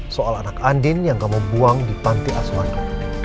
soal anak andin yang kamu buang di panti asuhanku